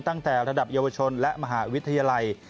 ตั้งแต่ระดับเยาวชนและมหาวิทยาลัย